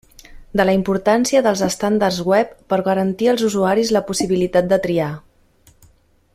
De la importància dels estàndards web per garantir als usuaris la possibilitat de triar.